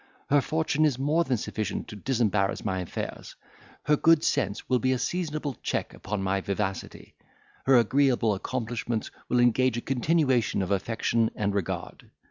Her fortune is more than sufficient to disembarrass my affairs; her good sense will be a seasonable check upon my vivacity; her agreeable accomplishments will engage a continuation of affection and regard.